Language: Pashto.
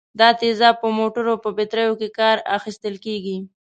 دا تیزاب په موټرو په بټریو کې کار اخیستل کیږي.